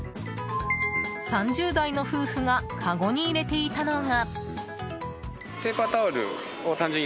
３０代の夫婦がかごに入れていたのが。